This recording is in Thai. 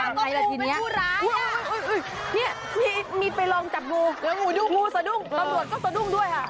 อะไรละทีนี้อุ๊ยนี่มีไปลองจับงูงูสะดุ้งตำรวจก็สะดุ้งด้วยค่ะ